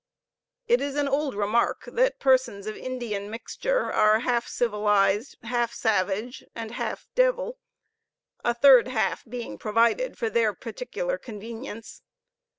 It is an old remark, that persons of Indian mixture, are half civilized, half savage, and half devil a third half being provided for their particular convenience.